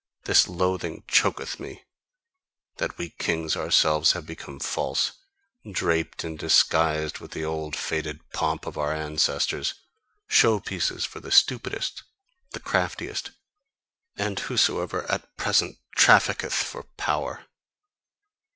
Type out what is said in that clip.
This loathing choketh me, that we kings ourselves have become false, draped and disguised with the old faded pomp of our ancestors, show pieces for the stupidest, the craftiest, and whosoever at present trafficketh for power.